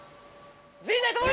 陣内智則！